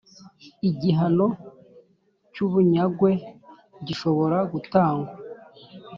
Igihano cy ubunyagwe gishobora gutangwa